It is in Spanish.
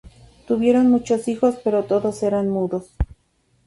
Tuvieron muchos hijos, pero todos eran mudos.